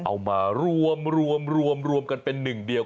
เอามารวมรวมกันเป็นหนึ่งเดียว